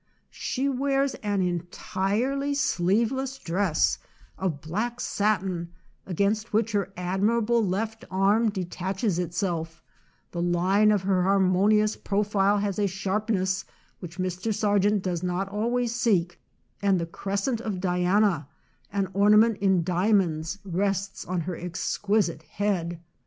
She wears an entirely sleeveless dress of black satin, against which her admirable left arm detaches itself; the line of her har monious profile has a sharpness which Mr. Sargent does not always seek, and the crescent of Diana, an ornament in dia monds, rests on her exquisite head.